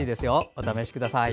お試しください。